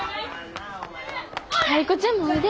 タイ子ちゃんもおいで。